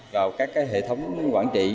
vào các cái hệ thống quản trị